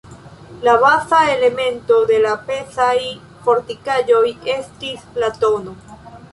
La baza elemento de la pezaj fortikaĵoj estis la tn.